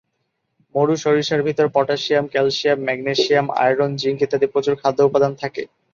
মরু-সরিষার ভিতর potassium, calcium, magnesium, iron, zinc ইত্যাদি প্রচুর খাদ্য-উপাদান থাকে।